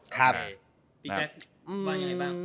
พี่เจ๊ว่ายังไงบ้าง